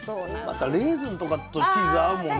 またレーズンとかとチーズ合うもんね